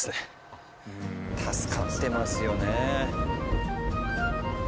助かってますよね。